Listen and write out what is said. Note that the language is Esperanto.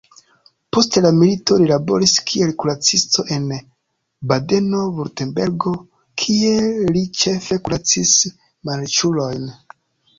Post la milito li laboris kiel kuracisto en Badeno-Vurtembergo, kie li ĉefe kuracis malriĉulojn.